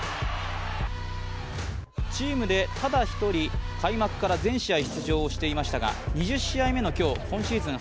チームでただ一人、開幕から全試合出場していましたが２０試合目の今日、今シーズン